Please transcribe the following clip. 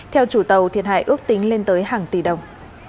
theo chủ tàu thiệt hại ước tính lên tới hàng tỷ đồng